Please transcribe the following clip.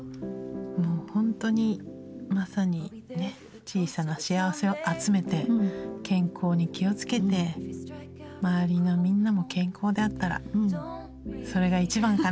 もうほんとにまさにね小さな幸せを集めて健康に気をつけて周りのみんなも健康であったらそれが一番かなと。